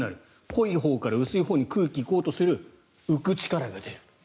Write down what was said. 濃いほうから薄いほうに空気が行こうとする浮く力が出る。